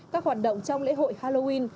các hoạt động trong lễ hội halloween